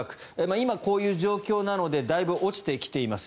今、こういう状況なのでだいぶ落ちてきています。